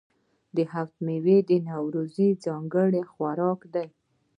هفت میوه د نوروز ځانګړی خوراک دی.